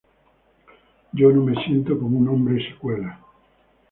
Yo no me siento como un hombre secuelas".